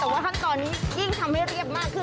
แต่ว่าขั้นตอนนี้ยิ่งทำให้เรียบมากขึ้น